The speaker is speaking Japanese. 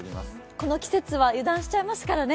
この季節は油断しちゃいますからね。